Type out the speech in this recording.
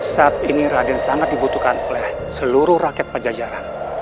saat ini raden sangat dibutuhkan oleh seluruh rakyat pajajaran